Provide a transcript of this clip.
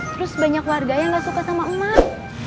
terus banyak warga yang gak suka sama emak